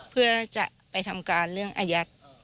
เพื่อจะไปทำการเรื่องอายัด